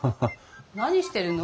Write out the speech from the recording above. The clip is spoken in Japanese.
何してるの？